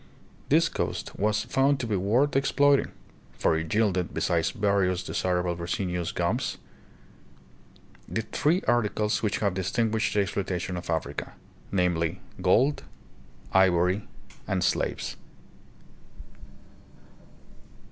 This coast was found to be worth exploit ing; for it yielded, besides various desirable resinous gums, three articles which have distinguished the exploitation of Africa, namely, gold, ivory, and slaves.